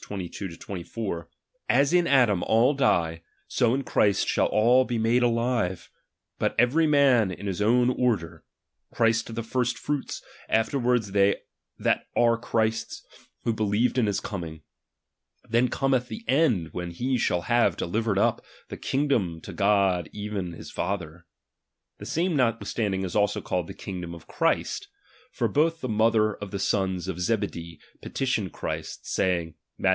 22 24) : As in Adam all die, so in Christ shall all be made alive ; but every man in kis own order ; Christ the first fruits ; afterward they that are Chrisfs, who be RELIGION. 255 l/ered in his coming ; then cometh the end ivhen cww.xyw. he shall hare ife/icered up the hingilom to God ''' eren his Father. The same notwithstanding is also called the kingdom of Christ : for both the mother of the sons of Zebedee petitioned Christ, saying (Matth.